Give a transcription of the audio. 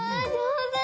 上手！